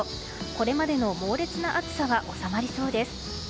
これまでの猛烈な暑さは収まりそうです。